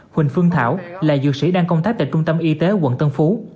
huỳnh phương thảo là dược sĩ đang công tác tại trung tâm y tế quận tân phú